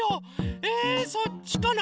えそっちかな。